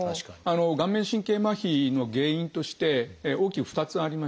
顔面神経麻痺の原因として大きく２つありまして。